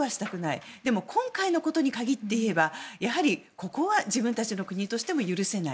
ただ、今回のことに関してはここは自分たちの国としても許せない。